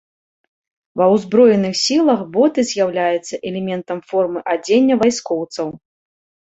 Ва ўзброеных сілах боты з'яўляюцца элементам формы адзення вайскоўцаў.